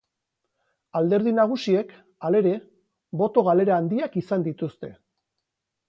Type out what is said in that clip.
Alderdi nagusiek, halere, boto galera handiak izan dituzte.